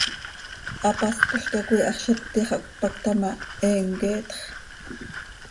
Hapáspolca coi hax z iti xah cötpacta ma, he mqueetx.